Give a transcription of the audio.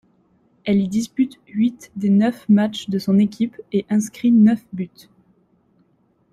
Elle y dispute huit des neuf matchs de son équipe et inscrit neuf buts.